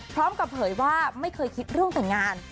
พร้อมกับเผยว่าไม่เคยคิดเรื่องแต่งงาน